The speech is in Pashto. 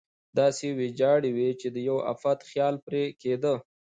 داسې ویجاړې وې چې د یوه افت خیال پرې کېده.